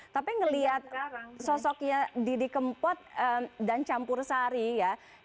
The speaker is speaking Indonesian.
tapi ngelihat sosoknya didi kempot dan campur sari ya